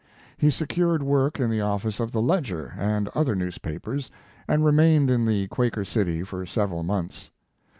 He secured work in the office of the Ledger and other newspapers, and remained in the Quaker city for several months.